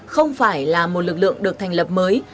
không phải là một lực lượng được thành lập mới